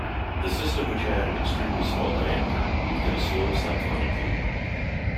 The system, which had an "extremely small diameter", moved in a slow cyclonic loop.